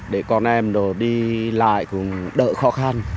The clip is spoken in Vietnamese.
để con em đồ đi lại cũng đỡ khó khăn